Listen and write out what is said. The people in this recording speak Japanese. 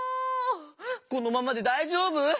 このままでだいじょうぶ？